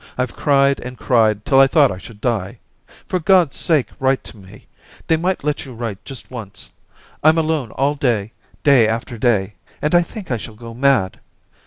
I've cried and cried till I thought I should die. For Gods sake write to me I They might let you write just once. I'm alone all day^ day after day^ and I think I shall go mad.